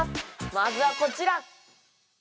まずはこちら！